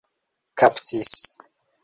kaptis